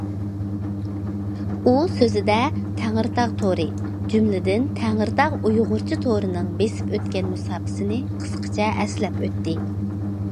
ئۇ سۆزىدە تەڭرىتاغ تورى، جۈملىدىن تەڭرىتاغ ئۇيغۇرچە تورىنىڭ بېسىپ ئۆتكەن مۇساپىسىنى قىسقىچە ئەسلەپ ئۆتتى.